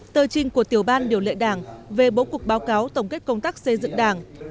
tờ trình của tiểu ban điều lệ đảng về bố cục báo cáo tổng kết công tác xây dựng đảng